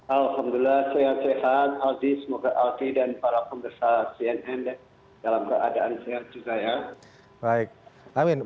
alhamdulillah sehat sehat semoga alti dan para pembesar cnn dalam keadaan sehat juga